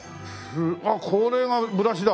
あっこれがブラシだ。